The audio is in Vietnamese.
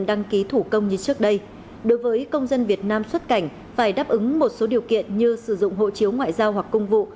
đối với công dân việt nam xuất cảnh phải đáp ứng một số điều kiện như sử dụng hộ chiếu ngoại giao hoặc công vụ